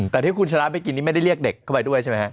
แต่ที่คุณชนะไปกินนี่ไม่ได้เรียกเด็กเข้าไปด้วยใช่ไหมฮะ